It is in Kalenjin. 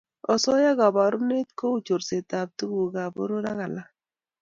osoya koborunet kou chorsetab tugukab poror ak alak